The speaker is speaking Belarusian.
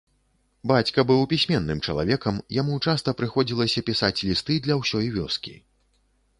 Бацька быў пісьменным чалавекам, яму часта прыходзілася пісаць лісты для ўсёй вёскі.